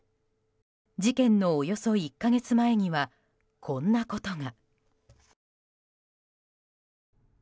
事件のおよそ１か月前にはこんなことが。